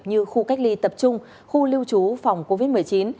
như khu cách ly tập trung khu lưu trú phòng covid một mươi chín